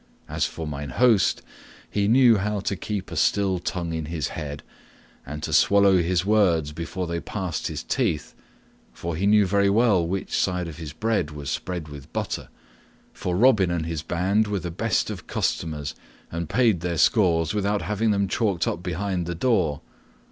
As for mine host, he knew how to keep a still tongue in his head, and to swallow his words before they passed his teeth, for he knew very well which side of his bread was spread with butter, for Robin and his band were the best of customers and paid their scores without having them chalked up behind the door.